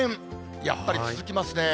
やっぱり続きますね。